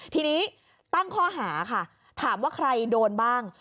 ทีนี้ตั้งข้อหาค่ะถามว่าใครโดนบ้าง